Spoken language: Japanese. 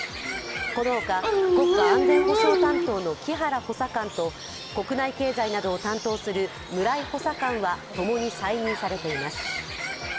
このほか、国家安全保障担当の木原補佐官と国内経済などを担当する村井補佐官は共に再任されています。